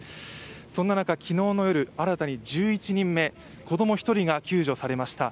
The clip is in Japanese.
そんな中、昨日の夜、新たに１１人目、子供１人が救助されました。